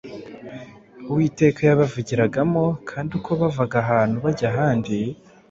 Uwiteka yabavugiragamo, kandi uko bavaga ahantu bajya ahandi,